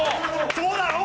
そうだろう？